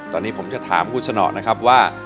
ตอนนี้ผมจะถามคุณสนอนะครับว่า